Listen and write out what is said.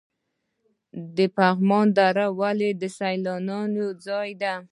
د پغمان دره ولې د سیلانیانو ځای دی؟